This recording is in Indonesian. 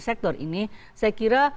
sektor ini saya kira